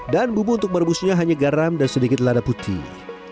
dan bubuk untuk merebusnya hanya garam dan sedikit lada putih